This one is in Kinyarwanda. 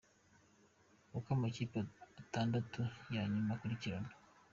Uko amakipe atandatu ya nyuma akurikirana.